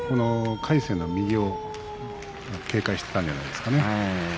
魁聖の右を警戒してたんじゃないですかね。